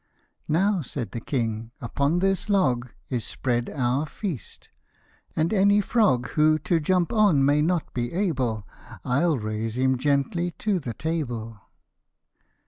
"Now/* said the king, "upon this log Is spread our feast ; and any frog Who to jump on may not be able, I'll raise him gently to the table."